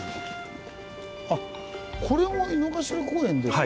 あっこれも井の頭公園ですか。